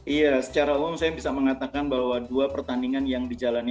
iya secara umum saya bisa mengatakan bahwa dua pertandingan yang dijalani